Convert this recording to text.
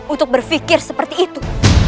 untuk berfikir seperti itu